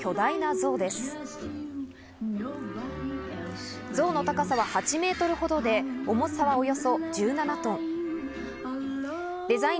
像の高さは８ｍほどで、重さはおよそ１７トン。